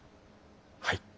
はい。